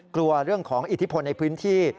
กลัวเรื่องของอิทธิพลในพื้นที่